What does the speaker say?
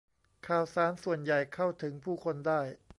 ข่าวสารส่วนใหญ่เข้าถึงผู้คนได้